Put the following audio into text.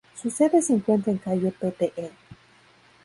Su sede se encuentra en calle Pte.